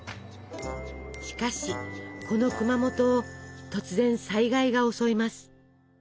しかしこの熊本を突然災害が襲います。